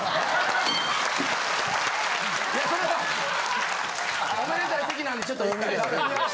いやそれはおめでたい席なんでちょっと１回。